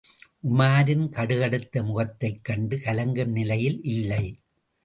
உமாரின் கடுகடுத்த முகத்தைக் கண்டு கலங்கும் நிலையில் இல்லை.